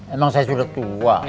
emang saya sudah tua